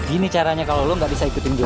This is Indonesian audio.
ini caranya kalau lo gak bisa ikutin jokyo